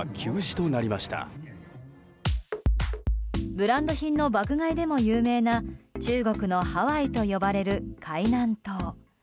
ブランド品の爆買いでも有名な中国のハワイと呼ばれる海南島。